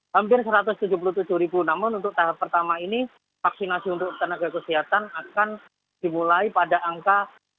hampir satu ratus tujuh puluh tujuh namun untuk tahap pertama ini vaksinasi untuk tenaga kesehatan akan dimulai pada angka tiga puluh dua lima ratus enam puluh